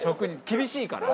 厳しいから。